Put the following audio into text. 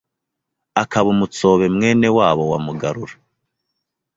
akaba Umutsobe mwene wabo wa Mugarura.